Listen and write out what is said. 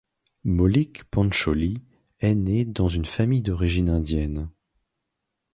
Maulik Pancholy est né dans une famille d'origine indienne.